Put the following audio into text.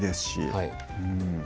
はい